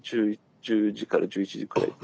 １０時から１１時くらいって。